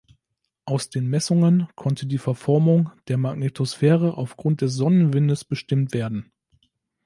Aus den Messungen konnte die Verformung der Magnetosphäre aufgrund des Sonnenwindes bestimmt werden.